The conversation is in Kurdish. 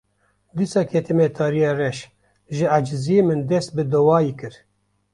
Dîsa ketime tariya reş, ji eciziyê min dest bi duayê kir